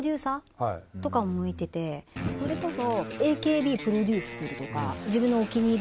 それこそ。